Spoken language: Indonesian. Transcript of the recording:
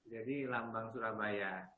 jadi lambang surabaya